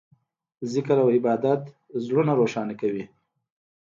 ذکر او عبادت زړونه روښانه کوي.